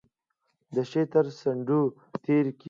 د شی تر څنډو تیریږي.